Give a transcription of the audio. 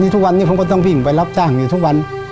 ทุกวันนี้ผมก็ต้องวิ่งไปรับจ้างอยู่ทุกวัน